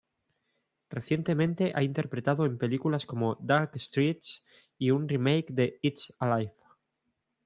Recientemente ha interpretado en películas como "Dark Streets" y un "remake" de "It's Alive".